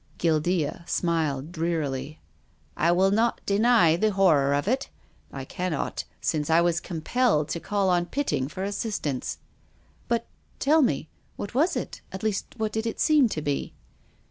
Guildea smiled drearily. " I will not deny the horror of it. I cannot, since I was compelled to call on Pitting for assist ance." " But — tell me — what was it, at least what did it seem to be?